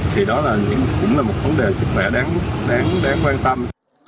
thì đó cũng là một vấn đề sức khỏe đáng đáng quan tâm